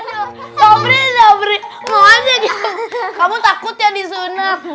aduh obrik obrik mau aja kamu takut yang disunat